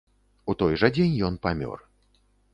У той жа дзень ён памёр.